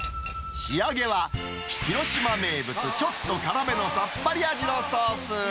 仕上げは、広島名物、ちょっと辛めのさっぱり味のソース。